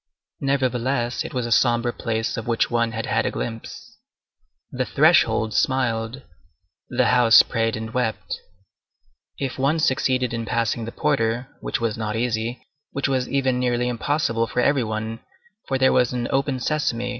Nevertheless, it was a sombre place of which one had had a glimpse. The threshold smiled; the house prayed and wept. If one succeeded in passing the porter, which was not easy,—which was even nearly impossible for every one, for there was an _open sesame!